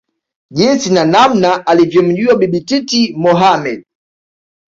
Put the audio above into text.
jinsi na namna alivyomjua Bibi Titi Mohamed